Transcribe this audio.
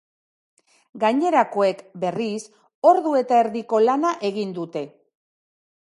Gainerakoek, berriz, ordu eta erdiko lana egin dute.